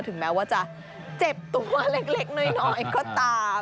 ถึงแม้ว่าจะเจ็บตัวเล็กน้อยก็ตาม